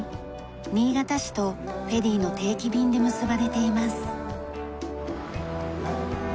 新潟市とフェリーの定期便で結ばれています。